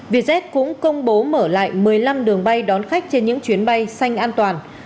vietjet cũng công bố mở lại một mươi năm đường bay đón khách trên những chuyến bay xanh an toàn